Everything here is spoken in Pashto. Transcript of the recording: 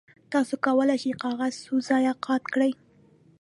تاسو کولی شئ چې کاغذ څو ځایه قات کړئ.